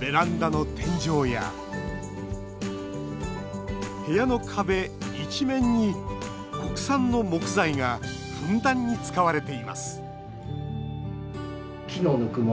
ベランダの天井や部屋の壁一面に国産の木材がふんだんに使われています